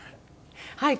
はい。